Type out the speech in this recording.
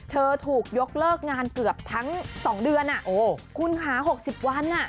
เธอถูกยกเลิกงานเกือบทั้ง๒เดือนคุณค่ะ๖๐วัน